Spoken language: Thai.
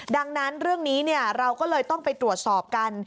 ดังนั้นเรื่องนี้เราก็เลยต้องไปตรวจสอบกัน